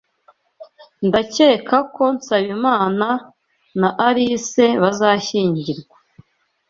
Ndakeka ko Nsabimana na Alice bazashyingirwa.